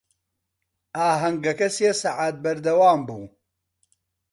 ئاهەنگەکە سێ سەعات بەردەوام بوو.